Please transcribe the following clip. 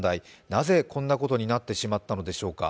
なぜこんなことになってしまったのでしょうか。